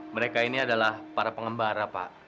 mereka ini adalah para pengembara pak